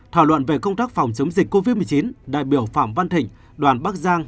thảo luận về công tác phòng chống dịch covid một mươi chín đại biểu phạm văn thịnh đoàn bắc giang